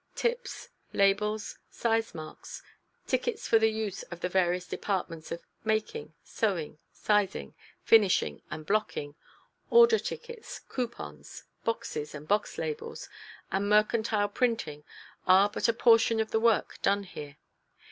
Tips, labels, size marks, tickets for use in the various departments of "making," "sewing," "sizing," "finishing," and "blocking." Order tickets, coupons, boxes and box labels and mercantile printing are but a portion of the work done here.